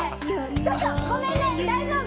ちょっとごめんね大丈夫？